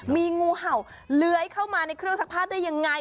มีงูเห่าเลื้อยเข้ามาในเครื่องซักผ้าได้ยังไง